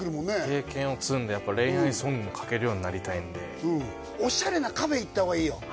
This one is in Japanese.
経験を積んでやっぱり恋愛ソングも書けるようになりたいのでオシャレなカフェ行った方がいいよ